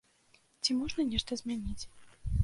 Ці можна нешта змяніць?